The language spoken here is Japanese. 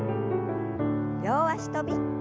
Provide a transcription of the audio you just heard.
両脚跳び。